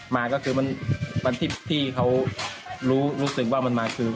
มาก็คือวันที่พี่เขารู้รู้สึกว่ามันมาคือ